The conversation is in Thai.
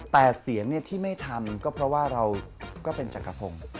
แต่เสียงที่ไม่ทำก็เพราะว่าเราก็เป็นจักรพงศ์